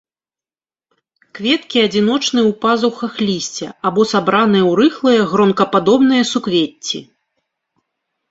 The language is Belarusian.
Кветкі адзіночныя ў пазухах лісця або сабраныя ў рыхлыя гронкападобныя суквецці.